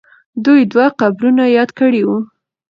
دوی دوه قبرونه یاد کړي وو.